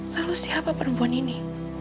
lalu siapa perempuan ini